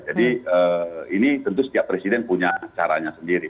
jadi ini tentu setiap presiden punya caranya sendiri